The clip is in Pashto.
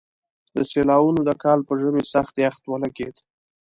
د سېلاوونو د کال په ژمي سخت يخ ولګېد.